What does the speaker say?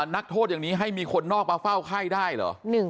นักโทษอย่างนี้ให้มีคนนอกมาเฝ้าไข้ได้เหรอ